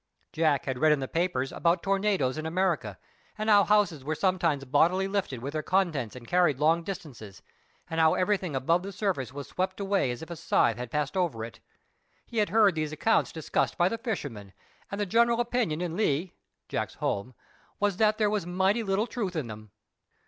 Jack had read in the papers about tornadoes in America, and how houses were sometimes bodily lifted with their contents and carried long distances, and how everything above the surface was swept away as if a scythe had passed over it. He had heard these accounts discussed by the fishermen, and the general opinion in Leigh (Jack's home) was that there was mighty little truth in them.